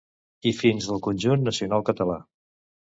i fins del conjunt nacional català